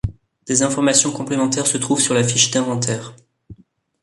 Des informations complémentaires se trouvent sur la fiche d'inventaire.